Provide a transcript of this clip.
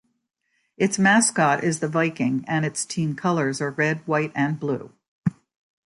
Its mascot is the Viking, and its team colors are red, white and blue.